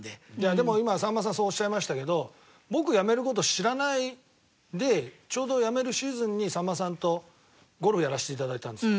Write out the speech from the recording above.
でも今さんまさんそうおっしゃいましたけど僕やめる事知らないでちょうどやめるシーズンにさんまさんとゴルフやらせて頂いたんですよ。